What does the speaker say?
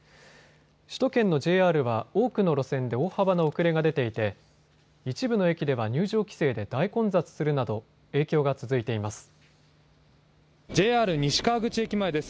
首都圏のＪＲは多くの路線で大幅な遅れが出ていて一部の駅では入場規制で大混雑するなど影響が続いています。